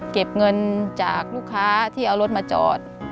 เก็บเงินจากลูกค้าที่เอารถมาจอด